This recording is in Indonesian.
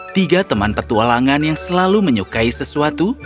tiga teman petualangan yang selalu menyukai sesuatu